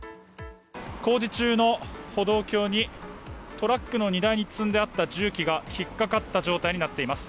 工事中の歩道橋にトラックの荷台に積んであった重機が引っかかった状態になっています。